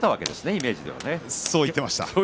イメージでは。